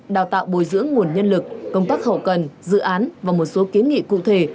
đào tạo bồi dưỡng nguồn nhân lực công tác hậu cần dự án và một số kiến nghị cụ thể